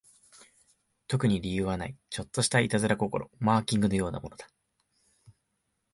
特に理由はない、ちょっとした悪戯心、マーキングのようなものだ